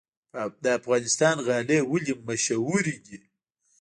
د افغانستان غالۍ ولې مشهورې دي؟